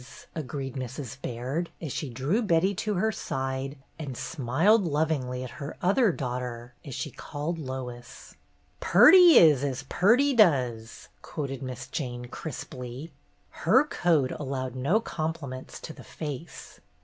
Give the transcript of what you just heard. agreed Mrs. Baird, as she drew Betty to her side and smiled lov ingly at her "other daughter," as she called Lois. "'Purty is as purty does,'" quoted Miss Jane, crisply. Her code allowed no compli ments to the face.